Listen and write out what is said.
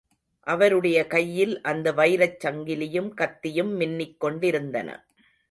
அவருடைய கையில் அந்த வைரச் சங்கிலியும் கத்தியும் மின்னிக்கொண்டிருந்தன.